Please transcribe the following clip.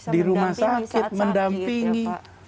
di rumah sakit mendampingi